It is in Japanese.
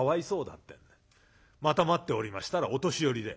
ってんでまた待っておりましたらお年寄りで。